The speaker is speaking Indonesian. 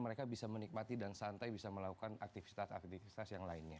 mereka bisa menikmati dan santai bisa melakukan aktivitas aktivitas yang lainnya